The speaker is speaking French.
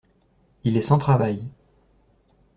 Il est sans travail.